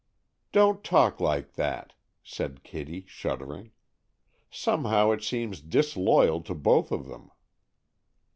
"Don't talk like that," said Kitty, shuddering. "Somehow it seems disloyal to both of them."